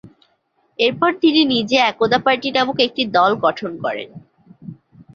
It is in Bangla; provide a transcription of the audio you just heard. এরপর তিনি নিজে একতা পার্টি নামক একটি দল গঠন করেন।